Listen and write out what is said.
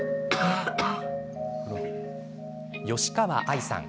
吉川愛さん。